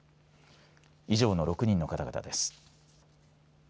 以上の６人の方々です。